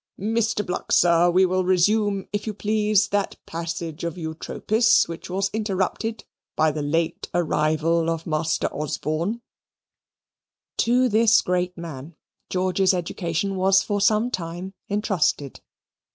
Mr. Bluck, sir, we will resume, if you please, that passage of Eutropis, which was interrupted by the late arrival of Master Osborne." To this great man George's education was for some time entrusted.